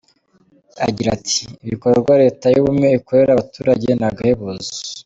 Agira ati “Ibikorwa Leta y’ubumwe ikorera abaturage ni agahebuzo.